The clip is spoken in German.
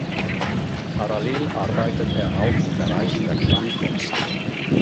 Parallel arbeitet er auch im Bereich der Klangkunst.